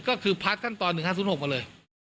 ก็คือพัฒน์ยังตอน๑๕๐๖มาเลย